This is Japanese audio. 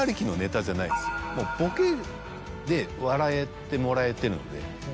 もうボケで笑えてもらえてるので。